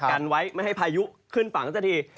กันไว้ไม่ให้พายุขึ้นฝั่งสักที